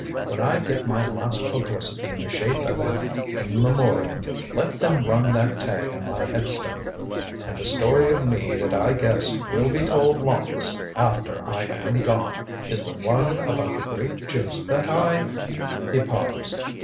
When I get my last publicity in the shape of an 'In Memoriam' let them run that tag on my headstone. And the story of me that I guess will be told longest after I am gone, is the one about the grape juice that I " He paused.